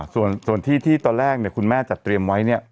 ส่วนที่ที่ตอนแรกคุณแม่จัดเตรียมไว้เนี่ย